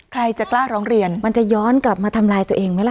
ใครจะกล้าร้องเรียนมันจะย้อนกลับมาทำลายตัวเองไหมล่ะ